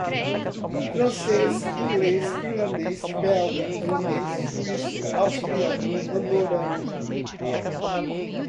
Português, Espanhol, Francês, Inglês, Irlandês, Belga, Holandês, Suíço, Austríaco, Andorrano, Luxemburguês.